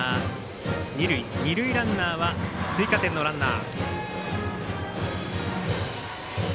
二塁ランナーは追加点のランナー。